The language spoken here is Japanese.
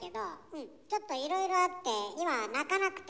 うんちょっといろいろあって今鳴かなくて。